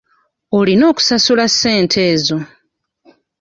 Olina okusasula ssente ezo.